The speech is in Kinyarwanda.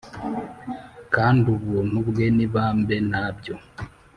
Kand’ubuntu bwe n'ibambe ntabwo